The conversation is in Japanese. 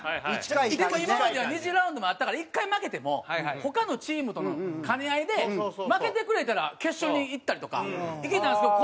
でも今までは２次ラウンドもあったから１回負けても他のチームとの兼ね合いで負けてくれたら決勝にいったりとかいけたんですけど。